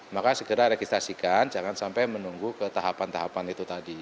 maka segera registrasikan jangan sampai menunggu ke tahapan tahapan itu tadi